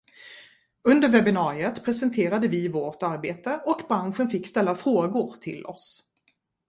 Under webinariet presenterade vi vårt arbete och branschen fick ställa frågor till oss.